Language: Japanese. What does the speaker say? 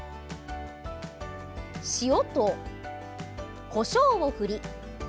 塩とこしょうを振り。